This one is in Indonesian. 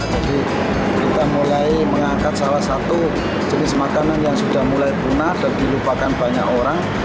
jadi kita mulai mengangkat salah satu jenis makanan yang sudah mulai punah dan dilupakan banyak orang